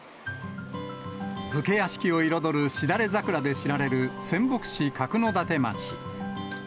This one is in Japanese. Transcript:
武家屋敷を彩るシダレザクラで知られる仙北市角館町。